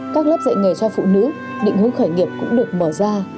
các lớp dạy nghề cho phụ nữ định hướng khởi nghiệp cũng được mở ra